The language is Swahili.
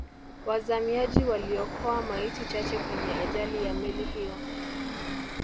wazamiaji waliokoa maiti chache kwenye ajali ya meli hiyo